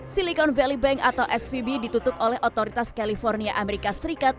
silicon valley bank atau svb ditutup oleh otoritas california amerika serikat